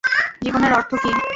জীবনের অর্থ কী?